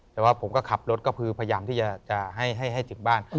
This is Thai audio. แต่ว่าผมก็ขับรถก็คือพยายามที่จะให้ถึงบ้าน